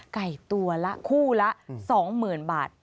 ไก่ตัวละคู่ละ๒เหมือนบาท